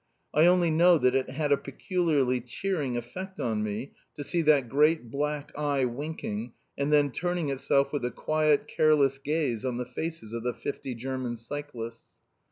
I only know that it had a peculiarly cheering effect on me to see that great black eye winking and then turning itself with a quiet, careless gaze on the faces of the fifty German cyclists.